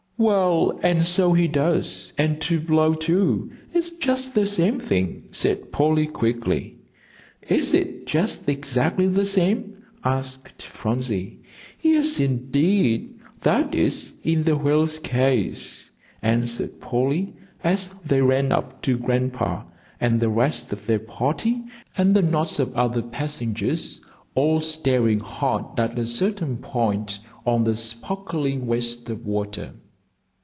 "Well, and so he does, and to blow, too, it's just the same thing," said Polly, quickly. "Is it just exactly the same?" asked Phronsie. "Yes, indeed; that is, in the whale's case," answered Polly, as they ran up to Grandpapa and the rest of their party, and the knots of other passengers, all staring hard at a certain point on the sparkling waste of water.